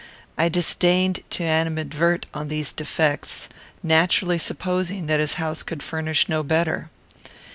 I disdained to animadvert on these defects, naturally supposing that his house could furnish no better.